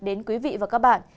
đến quý vị và các bạn